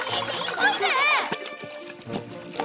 急いで！